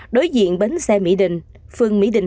đối diện bến xe mỹ đình